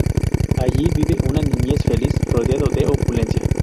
Allí vive una niñez feliz rodeado de opulencia.